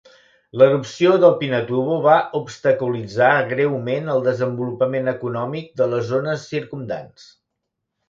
L'erupció del Pinatubo va obstaculitzar greument el desenvolupament econòmic de les zones circumdants.